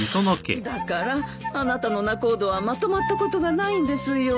だからあなたの仲人はまとまったことがないんですよ。